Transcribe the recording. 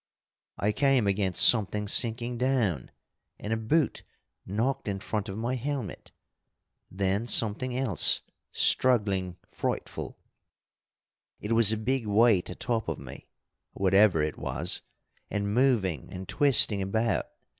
I came against something sinking down, and a boot knocked in front of my helmet. Then something else, struggling frightful. It was a big weight atop of me, whatever it was, and moving and twisting about.